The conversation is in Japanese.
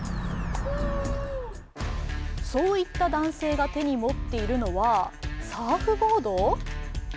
そう言った男性が手に持っているのは、サーフボード？